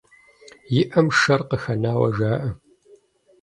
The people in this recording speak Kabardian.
И Ӏэм шэр къыхэнауэ жаӀэ.